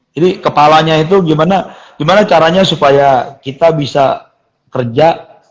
jadi kepalanya itu gimana caranya supaya kita bisa kerja